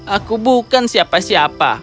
aku bukan siapa siapa